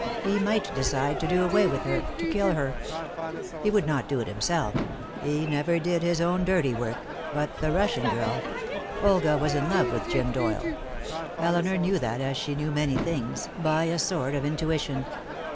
He might decide to do away with her, to kill her. He would not do it himself; he never did his own dirty work, but the Russian girl Olga was in love with Jim Doyle. Elinor knew that, as she knew many things, by a sort of intuition.